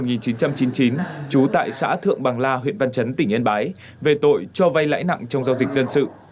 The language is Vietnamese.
trú tại xã thượng bằng la huyện văn chấn tỉnh yên bái về tội cho vay lãi nặng trong giao dịch dân sự